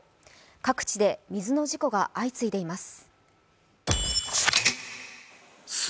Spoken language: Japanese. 各地で水の事故が相次いでいます。